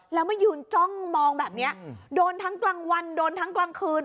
แล้วมายืนจ้องมองแบบนี้โดนทั้งกลางวันโดนทั้งกลางคืน